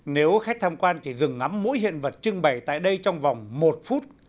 nếu khách tham quan chỉ dừng ngắm mỗi hiện vật trưng bày tại đây trong vòng một phút